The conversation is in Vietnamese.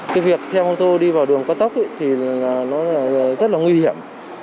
cái việc theo mô tô đi vào đường cao tốc thì nó rất là nguy hiểm